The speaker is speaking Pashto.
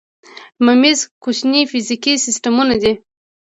میمز کوچني فزیکي سیسټمونه دي.